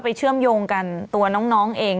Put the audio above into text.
เชื่อมโยงกันตัวน้องเอง